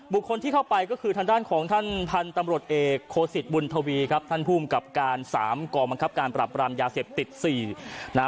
คนที่เข้าไปก็คือทางด้านของท่านพันธุ์ตำรวจเอกโคสิตบุญทวีครับท่านภูมิกับการสามกองบังคับการปรับปรามยาเสพติด๔นะฮะ